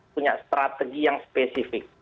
punya strategi yang spesifik